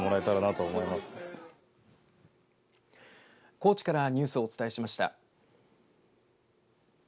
高知からニュースをお伝えしました。